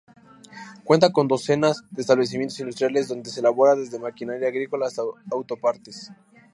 Cuenta con docenas de establecimientos industriales donde se elabora desde maquinaria agrícola hasta autopartes.